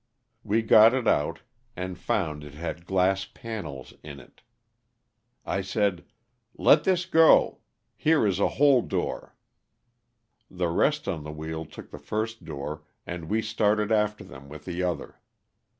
We got it out and found it had glass panels in it. I said, "let this go, here is a whole door." The rest on the wheel took the first door and we started after them with the other.